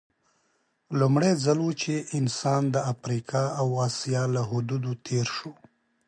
لومړی ځل و چې انسان د افریقا او اسیا له حدودو تېر شو.